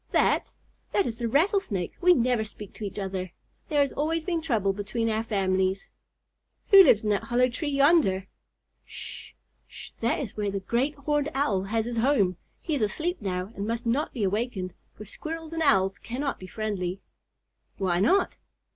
"That? That is the Rattlesnake. We never speak to each other. There has always been trouble between our families." "Who lives in that hollow tree yonder?" "Sh, sh! That is where the Great Horned Owl has his home. He is asleep now and must not be awakened, for Squirrels and Owls cannot be friendly." "Why not?"